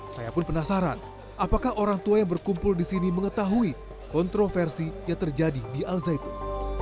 saya pun penasaran apakah orang tua yang berkumpul di sini mengetahui kontroversi yang terjadi di al zaitun